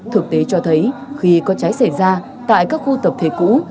thực tế cho thấy khi có cháy xảy ra tại các khu tập thể cũ